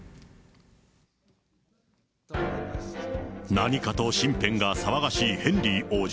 何かと身辺が騒がしいヘンリー王子。